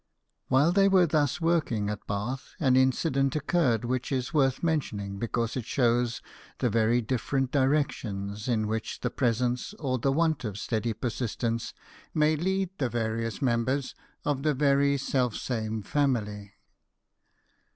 While they were thus working at Bath an incident occurred which is worth mentioning because it shows the very different directions in which the presence or the want of steady persistence may lead the various members of the very self same family.